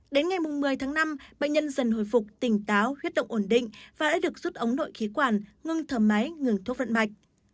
đến ngày một mươi tháng năm bệnh nhân dần hồi phục tỉnh táo huyết động ổn định và đã được rút ống nội khí quản ngưng thầm máy ngừng thuốc vận mạch